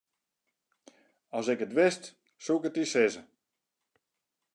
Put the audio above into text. As ik it wist, soe ik it dy sizze.